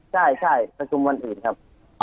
ใช่สมมุ่นอีกครับ